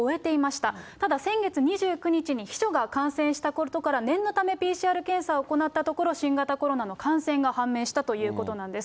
ただ、先月２９日に秘書が感染したことから、念のためＰＣＲ検査を行ったところ、新型コロナの感染が判明したということなんです。